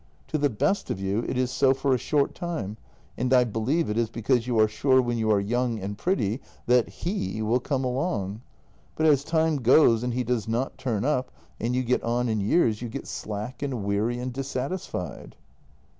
To the best of you it is so for a short time, and I believe it is because you are sure when you are young and pretty that ' he ' will come along. But as time goes and he does not turn up, and you get on in years, you get slack and weary and dissatisfied."